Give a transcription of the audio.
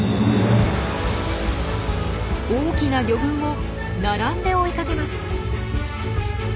大きな魚群を並んで追いかけます。